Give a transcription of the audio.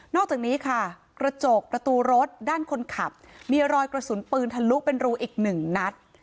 อกจากนี้ค่ะกระจกประตูรถด้านคนขับมีรอยกระสุนปืนทะลุเป็นรูอีกหนึ่งนัด